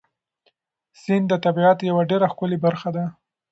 سیند د طبیعت یوه ډېره ښکلې برخه ده.